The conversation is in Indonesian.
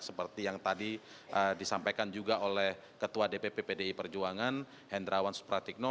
seperti yang tadi disampaikan juga oleh ketua dpp pdi perjuangan hendrawan supratikno